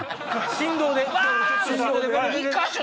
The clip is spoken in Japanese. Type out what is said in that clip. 振動で！